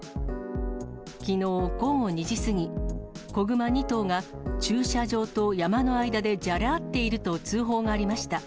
きのう午後２時過ぎ、子熊２頭が駐車場と山の間でじゃれ合っていると通報がありました。